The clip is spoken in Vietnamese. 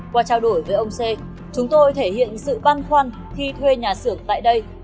qua trao đổi với ông sê chúng tôi thể hiện sự băn khoăn khi thuê nhà xưởng tại đây